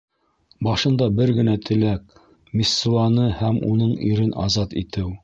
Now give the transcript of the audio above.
Башында бер генә теләк: Мессуаны һәм уның ирен азат итеү.